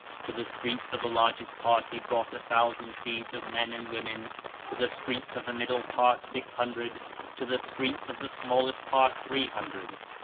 To the streets of the largest part he brought a thousand seeds of men and women; to the streets of the middle part, six hundred; to the streets of the smallest part, three hundred.